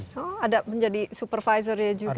oh ada menjadi supervisornya juga